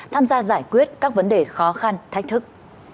tham gia giải quyết các vấn đề khó khăn thách thức